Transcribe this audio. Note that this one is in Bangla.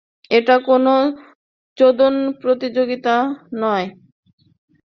এটা কোন চোদন প্রতিযোগিতা নয়!